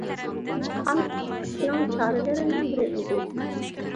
بۇ قان توختىتىشنىڭ چارىلىرىنىڭ بىرى ئىدى.